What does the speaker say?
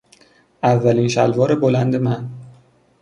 اولین شلوار بلند من